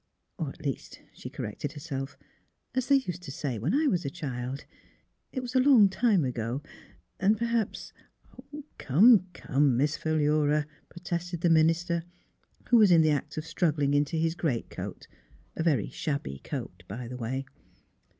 Or at least," she corrected herself, " as they used to say when I was a child. It was a long time ago, and perhaps "*' Come, come, Miss Philura," protested the minister, who was in the act of struggling into his greatcoat, a very shabby coat, by the way.